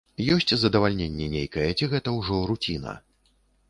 Ёсць задавальненне нейкае, ці гэта ўжо руціна?